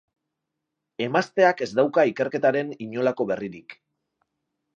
Emazteak ez dauka ikerketaren inolako berririk.